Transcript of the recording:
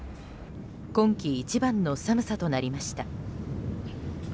今季一番の寒さとなりました。